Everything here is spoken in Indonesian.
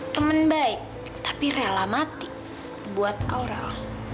temen baik tapi rela mati buat aural